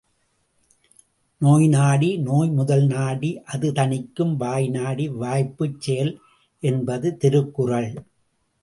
நோய்நாடி நோய்முதல் நாடி அதுதணிக்கும் வாய்நாடி வாய்ப்பச் செயல் என்பது திருக்குறள்.